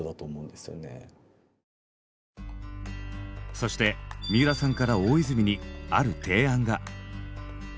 そして三浦さんから大泉にある提案が。